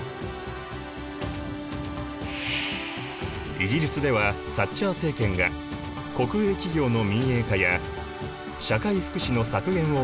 イギリスではサッチャー政権が国営企業の民営化や社会福祉の削減を断行。